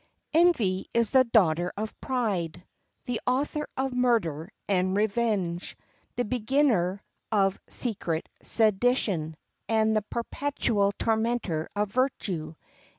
] Envy is the daughter of Pride, the author of murder and revenge, the beginner of secret sedition, and the perpetual tormentor of virtue.